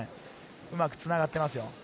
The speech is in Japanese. うまくつながっています。